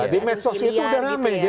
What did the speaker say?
di medsos itu udah rame